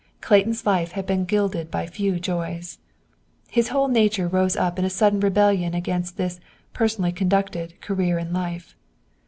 Clayton's life had been gilded by few joys. His whole nature rose up in a sudden rebellion against this "personally conducted" career in life.